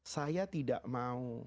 saya tidak mau